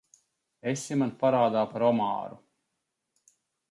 Esi man parādā par omāru.